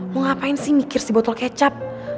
mau ngapain sih mikir si botol kecap